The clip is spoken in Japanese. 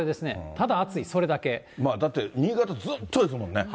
ただ熱い、だって新潟、ずっとですもん